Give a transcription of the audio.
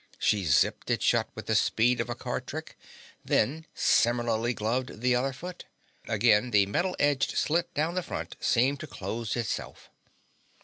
She zipped it shut with the speed of a card trick, then similarly gloved the other foot. Again the metal edged slit down the front seemed to close itself.